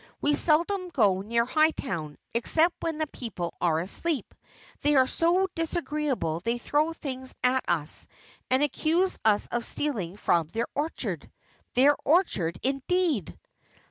We seldom go near Hightown, except when the people are asleep. They are so disagreeable they throw things at us and accuse us of stealing from their orchard. Their orchard, indeed!"